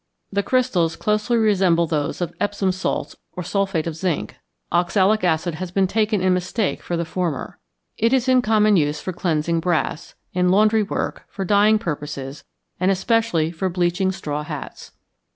The crystals closely resemble those of Epsom salts or sulphate of zinc; oxalic acid has been taken in mistake for the former. It is in common use for cleansing brass, in laundry work, for dyeing purposes, and especially for bleaching straw hats.